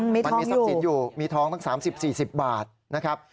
มีทองอยู่มีทองทั้ง๓๐๔๐บาทนะครับ